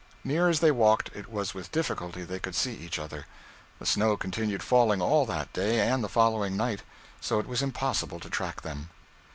Near as they walked, it was with difficulty they could see each other. The snow continued falling all that day and the following night, so it was impossible to track them.